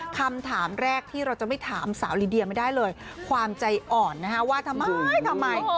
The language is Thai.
คำถามแรกที่เราจะไม่ถามสาวลิเดียไม่ได้เลยความใจอ่อนนะฮะว่าทำไมทำไม